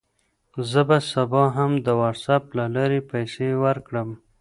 زه به سبا هم د وټساپ له لارې پیسې ورکړم.